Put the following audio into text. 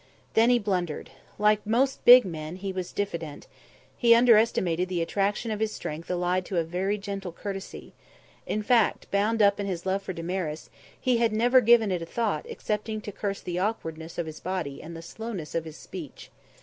Then he blundered. Like most big men, he was diffident; he underestimated the attraction of his strength allied to a very gentle courtesy; in fact, bound up in his love for Damaris, he had never given it a thought excepting to curse the awkwardness of his body and the slowness of his speech.